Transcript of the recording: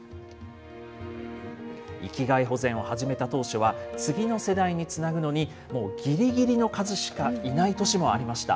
域外保全を始めた当初は、次の世代につなぐのに、もうぎりぎりの数しかいない年もありました。